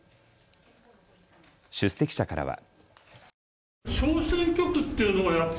出席者からは。